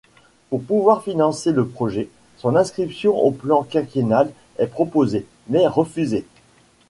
Pour pouvoir financer le projet, son inscription au plan quinquennal est proposée, mais refusée.